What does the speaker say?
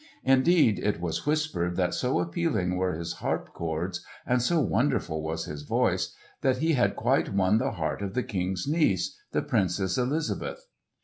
Indeed, it was whispered that so appealing were his harp chords and so wonderful was his voice, that he had quite won the heart of the King's niece, the Princess Elizabeth.